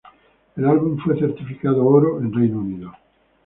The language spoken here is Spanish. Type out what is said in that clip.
El álbum fue certificado Oro en Reino Unido.